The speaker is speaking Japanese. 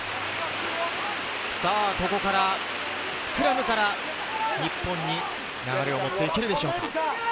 ここのスクラムから日本に流れを持っていけるでしょうか。